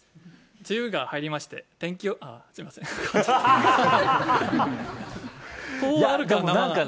梅雨が入りまして天気あぁすいませんなんかね